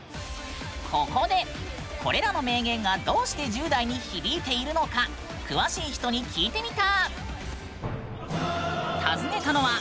ここでこれらの名言がどうして１０代に響いているのか詳しい人に聞いてみた！